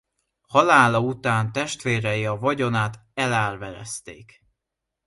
Halála után testvérei a vagyonát elárverezték.